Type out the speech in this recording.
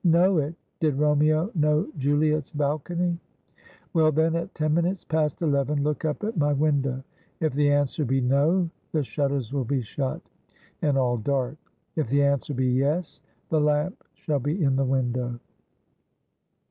' Know it ? Did Romeo know Juliet's balcony ?' 'Well, then, at ten minutes past eleven look up at my window. If the answer be No, the shutters will be shut, and all dark ; if the answer be Yes, the lamp shall be in the window.'